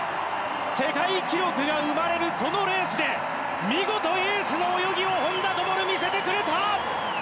世界記録が生まれるこのレースで見事、エースの泳ぎを本多灯、見せてくれた！